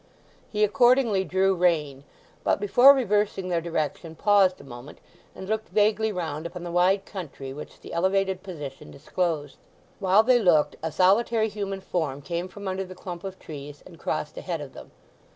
He accordingly drew rein, but before reversing their direction paused a moment and looked vaguely round upon the wide country which the elevated position disclosed. While they looked a solitary human form came from under the clump of trees, and crossed ahead of them.